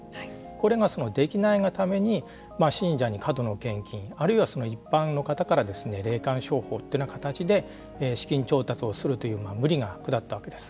これができないがために信者から過度な献金あるいは一般の方から霊感商法というような形で資金調達をするという無理が下ったわけです。